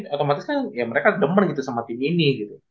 otomatis mereka gemer gitu sama tim ini gitu